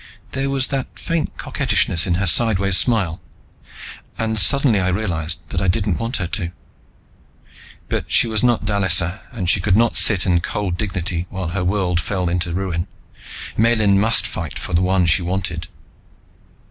There was that faint coquettishness in her sidewise smile. And suddenly I realized that I didn't want her to. But she was not Dallisa and she could not sit in cold dignity while her world fell into ruin. Miellyn must fight for the one she wanted.